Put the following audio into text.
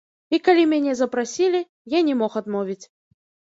І калі мяне запрасілі, я не мог адмовіць.